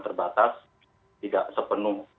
terbatas tidak sepenuh